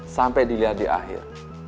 sampai dilihat di akhir